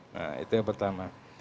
nah itu yang pertama